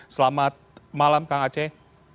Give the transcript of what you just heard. selamat malam kang aceh